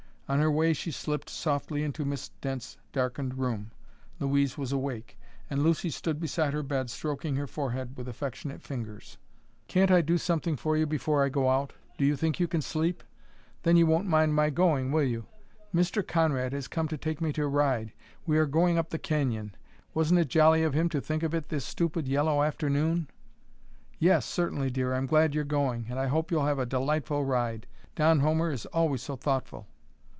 On her way she slipped softly into Miss Dent's darkened room. Louise was awake, and Lucy stood beside her bed, stroking her forehead with affectionate fingers. "Poor Dearie! Can't I do something for you before I go out? Do you think you can sleep? Then you won't mind my going, will you? Mr. Conrad has come to take me to ride. We are going up the canyon. Wasn't it jolly of him to think of it this stupid, yellow afternoon?" "Yes; certainly, dear, I'm glad you're going, and I hope you'll have a delightful ride. Don Homer is always so thoughtful."